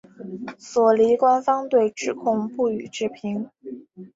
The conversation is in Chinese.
索尼官方对指控不予置评。